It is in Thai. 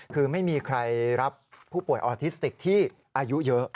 คือไม่มีใครรับผู้ป่วยออทิสติกที่อายุเยอะ